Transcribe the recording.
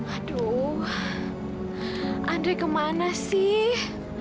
aduh andre kemana sih